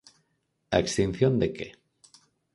A extinción de que?